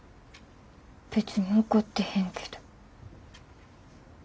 別に怒ってへんけど。